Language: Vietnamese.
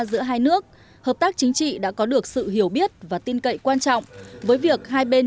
giữa hai nước hợp tác chính trị đã có được sự hiểu biết và tin cậy quan trọng với việc hai bên